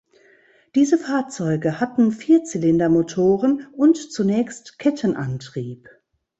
Diese Fahrzeuge hatten Vierzylindermotoren und zunächst Kettenantrieb.